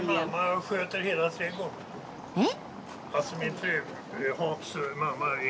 えっ？